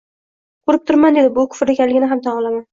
Ko`rib turibman, dedim, bu kufr ekanigini ham tan olaman